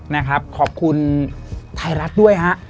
นะครับขอบคุณไทยรัฐด้วยฮะ